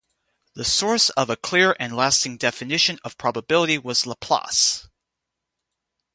The source of a clear and lasting definition of probability was Laplace.